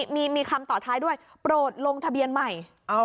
มีคำต่อท้ายด้วยโปรดลงทะเบียนใหม่